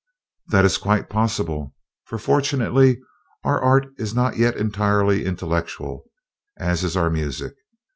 "That is quite possible; for, fortunately, our art is not yet entirely intellectual, as is our music.